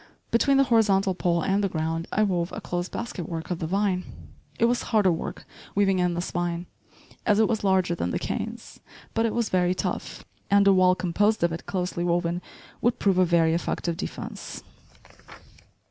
Between the horizontal pole and the ground, I wove a close basketwork of the vine. It was harder work weaving in this vine, as it was larger than the canes; but it was very tough, and a wall composed of it closely woven would prove a very effective defense.